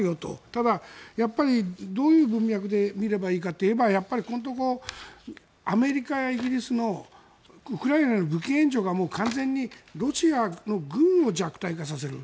ただ、どういう文脈で見ればいいかといえばやっぱりここのところアメリカやイギリスのウクライナへの武器援助がもう完全にロシアの軍を弱体化させる。